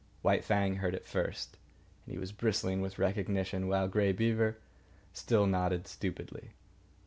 White Fang heard it first, and he was bristling with recognition while Grey Beaver still nodded stupidly.